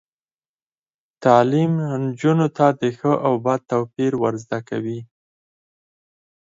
تعلیم نجونو ته د ښه او بد توپیر ور زده کوي.